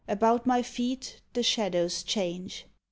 . About my feet The shadows change